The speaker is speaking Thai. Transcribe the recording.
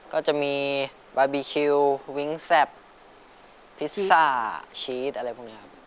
ก็จะมีบาร์บีคิววิ้งแซ่บพิซซ่าชีสอะไรพวกนี้ครับ